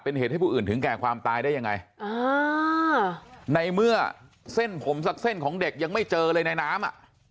เป็นเหตุให้ผู้อื่นถึงแก่ความตายได้ยังไงในเมื่อเส้นผมสักเส้นของเด็กยังไม่เจอเลยในน้ำอ่ะ